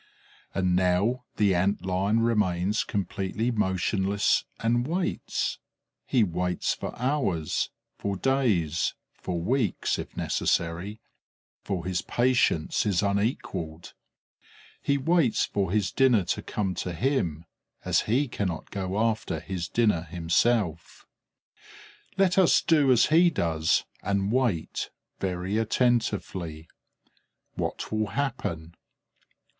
And now the Ant lion remains completely motionless and waits; he waits for hours, for days, for weeks, if necessary, for his patience is unequalled; he waits for his dinner to come to him, as he cannot go after his dinner himself. Let us do as he does and wait, very attentively. What will happen?